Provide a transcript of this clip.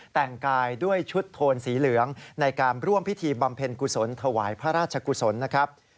แต่งกายด้วยชุดโทนสีเหลืองในการร่วมพิธีบำเพ็ญกุศลถวายพระราชกุศลนะครับ